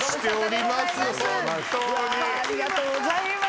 ありがとうございます。